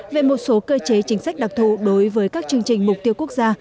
về một số cơ chế chính sách đặc thù đối với các chương trình mục tiêu quốc gia